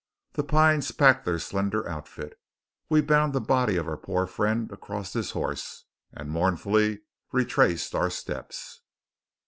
The Pines packed their slender outfit; we bound the body of our poor friend across his horse, and mournfully retraced our steps.